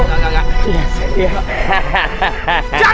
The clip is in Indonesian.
enggak enggak enggak